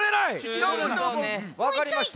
わかりました。